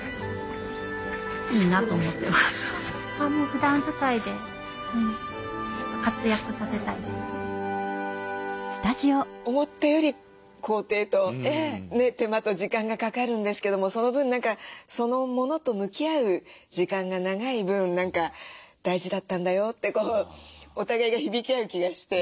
時間がかかった分愛情も増しますし思ったより工程と手間と時間がかかるんですけどもその分何かそのものと向き合う時間が長い分何か「大事だったんだよ」ってこうお互いが響き合う気がして。